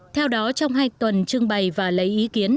theo đó trong hai tuần trưng bày và lấy ý kiến